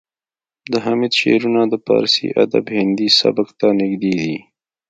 د حمید شعرونه د پارسي ادب هندي سبک ته نږدې دي